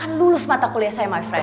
akan lulus mata kuliah saya my friend